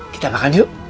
kita makan yuk